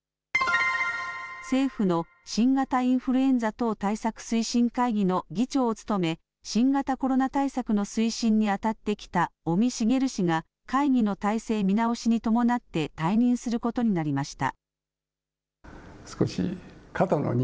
政府の新型インフルエンザ等対策推進会議の議長を務め、新型コロナ対策の推進に当たってきた尾身茂氏が、会議の体制見直しに伴って退任することになりました。